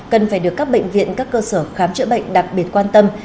cần phải được các bệnh viện các cơ sở khám chữa bệnh đặc biệt quan tâm